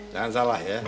jangan salah ya